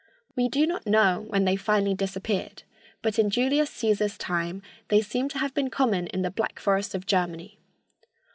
We do not know when they finally disappeared, but in Julius Cæsar's time they seem to have been common in the Black Forest of Germany.